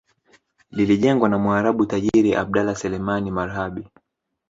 Lilijengwa na mwarabu tajiri Abdallah Selemani Marhabi